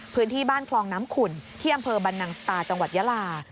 พื้นที่บ้านคลองน้ำขุ่นที่อำเภอบรรนังสตาจังหวัดยาลา